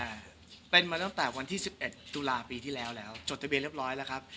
อ่าเป็นมาตั้งแต่วันที่สิบเอ็ดตุลาปีที่แล้วแล้วจดทะเบียนเรียบร้อยแล้วครับ